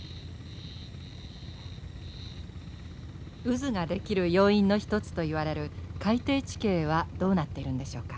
渦が出来る要因の一つといわれる海底地形はどうなってるんでしょうか？